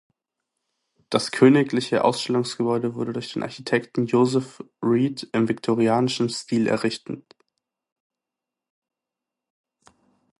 Das Königliche Ausstellungsgebäude wurde durch den Architekten Joseph Reed im viktorianischen Stil errichten.